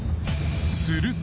すると。